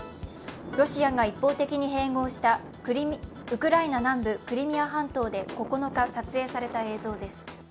ロシアが一方的に併合したウクライナ南部クリミア半島で９日撮影された映像です。